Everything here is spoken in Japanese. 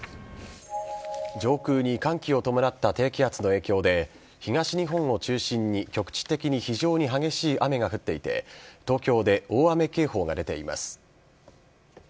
上空に寒気を伴った低気圧の影響で東日本を中心に、局地的に非常に激しい雨が降っていて東京で大雨警報が出ています。